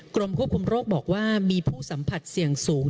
กรมควบคุมโรคบอกว่ามีผู้สัมผัสเสี่ยงสูง